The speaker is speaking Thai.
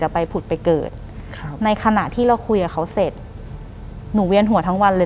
หลังจากนั้นเราไม่ได้คุยกันนะคะเดินเข้าบ้านอืม